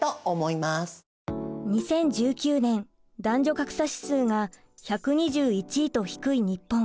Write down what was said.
２０１９年男女格差指数が１２１位と低い日本。